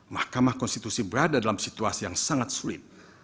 mahkamah konstitusi berada dalam situasi yang sangat sulit